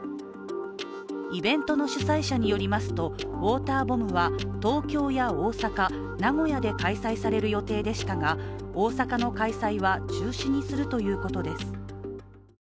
イベントの主催者によりますとウォーターボムは、東京や大阪名古屋で開催される予定でしたが大阪の開催は中止にするということです。